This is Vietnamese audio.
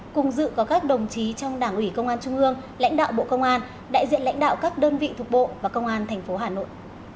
cùng dự có các đồng chí trong đảng ủy công an trung ương lãnh đạo bộ công an đại diện lãnh đạo các đơn vị thuộc bộ và công an tp hà nội